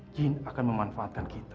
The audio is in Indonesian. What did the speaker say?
jin akan memanfaatkan kita